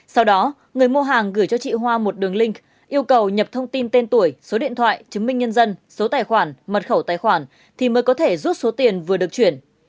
sau đó người mua hàng gửi cho chị hoa một đường link yêu cầu nhập thông tin tên tuổi số điện thoại chứng minh nhân dân số tài khoản mật khẩu tài khoản thì mới có thể rút số tiền vừa được chuyển